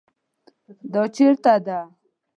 دا چیرته ده؟